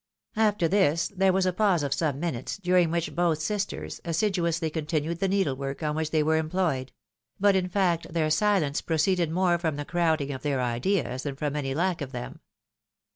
After this there was a pause of some minutes, during which both sisters assiduously continued the needlework on which they were employed ; but in fact their silence proceeded more from the crowding of their ideas than from any lack of them.